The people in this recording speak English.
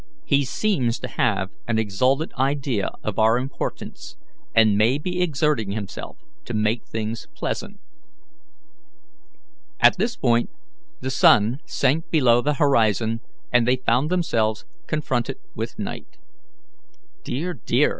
He seems to have an exalted idea of our importance, and may be exerting himself to make things pleasant." At this point the sun sank below the horizon, and they found themselves confronted with night. "Dear, dear!"